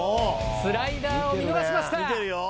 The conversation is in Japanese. スライダーを見逃しました。